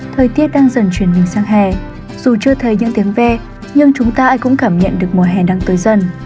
thời tiết đang dần chuyển mình sang hè dù chưa thấy những tiếng ve nhưng chúng ta ai cũng cảm nhận được mùa hè đang tới dần